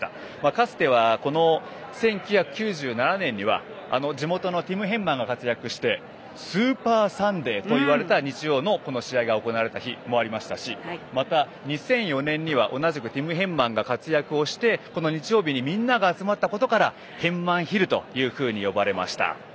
かつて、１９９７年には地元のティム・ヘンマンが活躍してスーパーサンデーといわれた日曜のこの試合が行われた日もありましたしまた、２００４年には同じくティム・ヘンマンが活躍をしてみんなが集まったことからヘンマン・ヒルと呼ばれました。